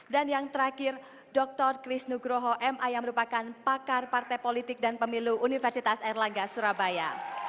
dan yang terakhir dr kris nugroho ma yang merupakan pakar partai politik dan pemilu universitas erlangga surabaya